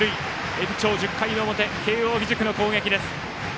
延長１０回表慶応義塾の攻撃です。